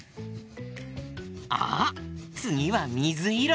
あっつぎはみずいろ！